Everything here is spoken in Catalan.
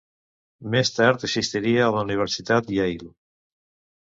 Més tard assistiria a la Universitat Yale.